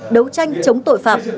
đấu tranh chống tội phạm